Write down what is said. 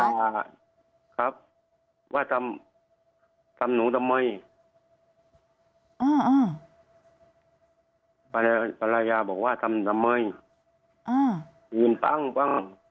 ยังอ่ะครับว่าทำทำหนูทำไมอืมอืมฮืมฮืมปั้งปั้ง